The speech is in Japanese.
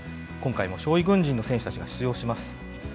今回も傷い軍人の選手たちが出場します。